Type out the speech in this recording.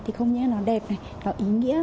thì không nhớ nó đẹp này nó ý nghĩa